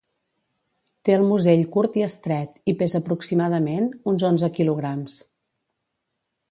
Té el musell curt i estret, i pesa aproximadament uns onze quilograms.